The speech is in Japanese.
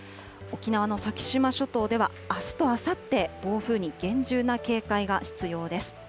沖縄の先島諸島では、あすとあさって、暴風に厳重な警戒が必要です。